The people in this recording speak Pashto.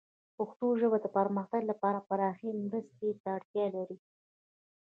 پښتو ژبه د پرمختګ لپاره پراخې مرستې ته اړتیا لري.